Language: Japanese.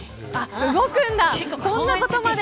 動くんだ、そんなことまで。